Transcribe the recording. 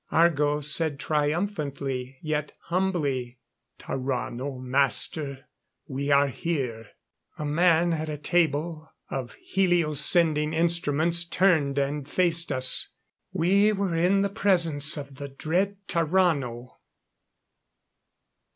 Argo said triumphantly, yet humbly: "Tarrano, Master we are here." A man at a table of helio sending instruments turned and faced us. We were in the presence of the dread Tarrano!